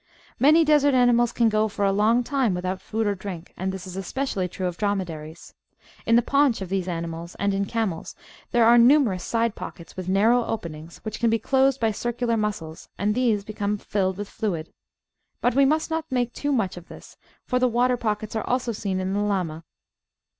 Many desert animals can go for a long time without food or drink, and this is especially true of dromedaries. In the paunch of these animals, and in camels, there are niunerous side pockets with narrow openings which can be closed by circular muscles, and these become fiUed with fluid. But we must not make too much of this, for the water pockets are also seen in the Llama.